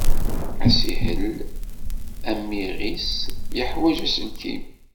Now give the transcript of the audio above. Assihel amiɣis yeḥwaj aselkim.